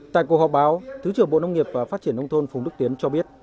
tại cuộc họp báo thứ trưởng bộ nông nghiệp và phát triển nông thôn phùng đức tiến cho biết